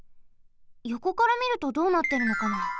よこからみるとどうなってるのかな。